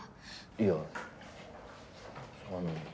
いやあの。